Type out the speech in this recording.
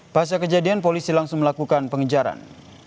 pasca kejadian polisi langsung melakukan pengejaran